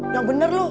yang bener lu